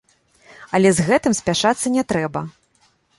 Але з гэтым спяшацца не трэба.